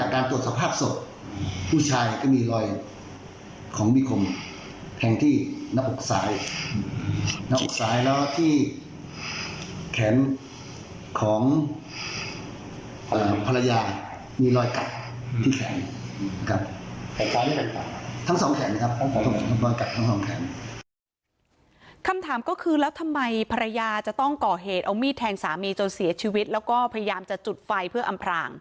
คำถามก็คือแล้วทำไมภรรยาจะต้องก่อเหตุเอามีดแทงสามีจนเสียชีวิตแล้วก็พยายามจะจุดไฟเพื่ออำพราง